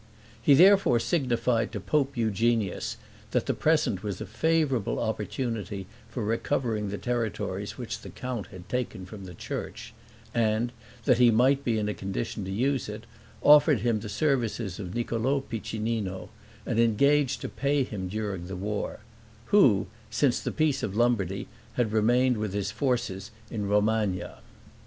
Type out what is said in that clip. He therefore signified to pope Eugenius, that the present was a favorable opportunity for recovering the territories which the count had taken from the church; and, that he might be in a condition to use it, offered him the services of Niccolo Piccinino, and engaged to pay him during the war; who, since the peace of Lombardy, had remained with his forces in Romagna.